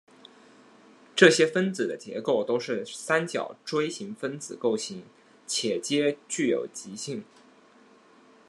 这些分子的结构都是三角锥形分子构型且皆具有极性。